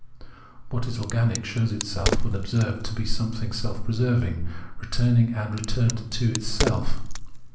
What is organic shows itself when observed to be something self preserving, returning and returned into itself.